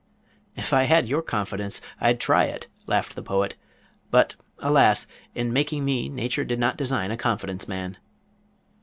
"If I had your confidence I'd try it," laughed the Poet, "but alas, in making me Nature did not design a confidence man."